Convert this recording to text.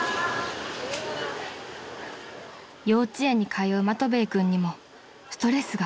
［幼稚園に通うマトヴェイ君にもストレスが］